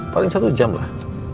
paling satu jam lah